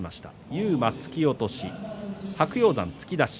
勇磨、突き落とし。